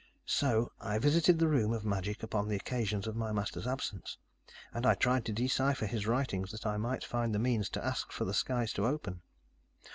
So, I visited the room of magic upon the occasions of my master's absence. And I tried to decipher his writings that I might find the means to ask for the skies to open.